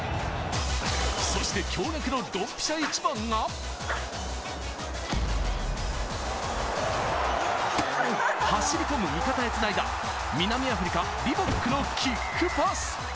そして驚がくのドンピシャイチバンが、走り込む味方へ繋いだ南アフリカ、リボックのキックパス！